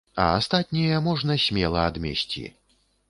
А астатняе можна смела адмесці.